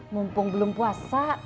mumpung belum puasa